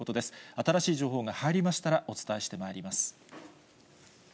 新しい情報が入りましたら、お伝えしてまいります。